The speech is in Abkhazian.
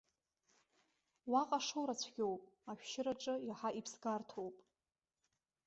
Уаҟа ашоура цәгьоуп, ашәшьыраҿы иаҳа иԥсгарҭоуп!